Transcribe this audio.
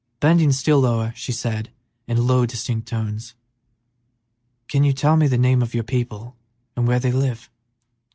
Bending still lower, she said, in low, distinct tones: "Can you tell me the name of your people, and where they live?"